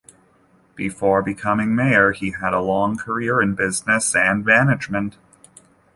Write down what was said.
Before becoming mayor he had a long career in business and management.